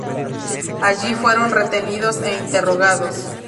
Allí fueron retenidos e interrogados.